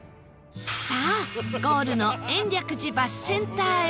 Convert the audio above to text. さあゴールの延暦寺バスセンターへ